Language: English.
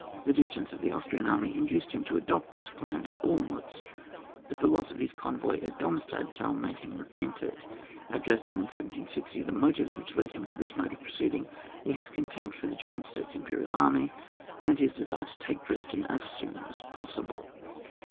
The distance of the Austrian army induced him to adopt this plan at Olmiitz, but the loss of his con voy at Domstadtel made him repent it ; at Dresden in 1760 the motives which led him to this mode of proceeding, were his contempt for the German States* imperial army, and his desire to take Dresden as soon as possible.